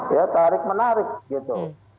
ya tarik menarik gitu